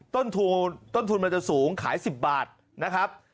ต้นทุนต้นทุนมันจะสูงขาย๑๐บาทนะครับ